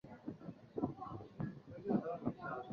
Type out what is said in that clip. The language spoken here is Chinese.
北魏孝昌三年。